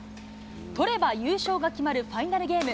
取れば優勝が決まるファイナルゲーム。